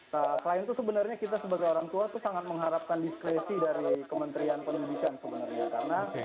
nah selain itu sebenarnya kita sebagai orang tua itu sangat mengharapkan diskresi dari kementerian pendidikan sebenarnya